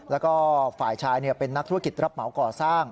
แล้วก็ฝ่ายชายเป็นนักธุรกิจรับเหมาก่อสร้าง